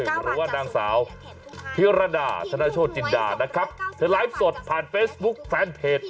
ค้าขายจะเป็นปี่เซียเดี่ยวด้ายแดงค่ะสำหรับพ่อค้าแม่ค้าค่ะลูกค้า๒๙๙บาท